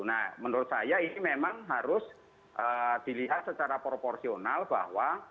nah menurut saya ini memang harus dilihat secara proporsional bahwa